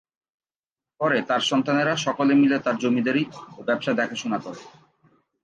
পরে তার সন্তানেরা সকলে মিলে তার জমিদারী ও ব্যবসা দেখাশুনা করেন।